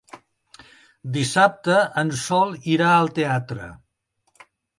Dissabte en Sol irà al teatre.